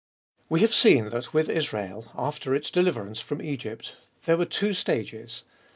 WE have seen that with Israel, after its deliverance from Egypt, there were two stages.